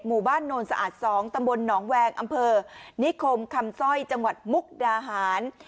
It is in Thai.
หมู่บ้านโนนสะอาด๒ตำบลหนองแวงอำเภอนิคมคำสร้อยจังหวัดมุกดาหาร